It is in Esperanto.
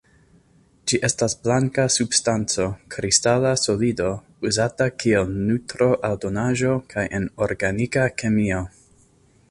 Ĝi estas blanka substanco, kristala solido, uzata kiel nutro-aldonaĵo kaj en organika kemio.